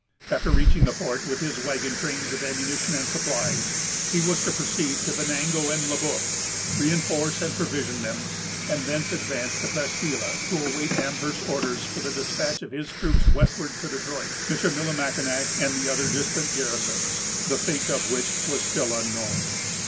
After reaching the fort, with his wagon trains of ammunition and supplies, he was to proceed to Venango and Le Bœuf, reinforce and provision them; and thence advance to Presqu' Isle to wait Amherst's orders for the despatch of his troops westward to Detroit, Michillimackinac, and the other distant garrisons, the fate of which was still unknown.